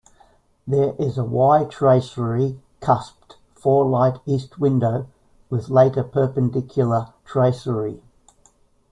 There is a 'Y' tracery, cusped four-light east window with later perpendicular tracery.